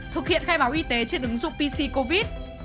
thực hiện khai báo y tế trên ứng dụng pc covid